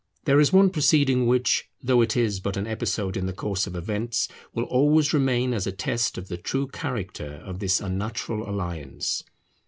There is one proceeding which, though it is but an episode in the course of events, will always remain as a test of the true character of this unnatural alliance.